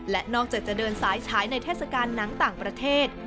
และนอกจากจะเดินสายฉายในเทศกาลหนังต่างประเทศ